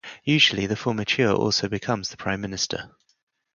Usually, the Formateur also becomes the Prime Minister.